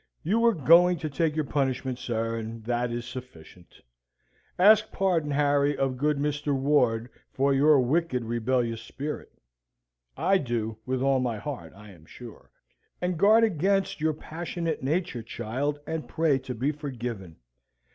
You were going to take your punishment, sir, and that is sufficient. Ask pardon, Harry, of good Mr. Ward, for your wicked rebellious spirit, I do, with all my heart, I am sure. And guard against your passionate nature, child and pray to be forgiven.